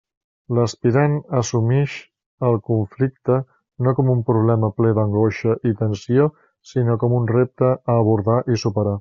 L'aspirant assumix el conflicte, no com un problema ple d'angoixa i tensió, sinó com un repte a abordar i superar.